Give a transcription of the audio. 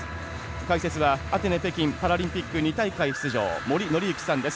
解説はアテネ北京パラリンピック２大会出場、森紀之さんです。